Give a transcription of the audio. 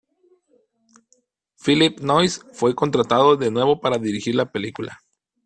Phillip Noyce fue contratado de nuevo para dirigir la película.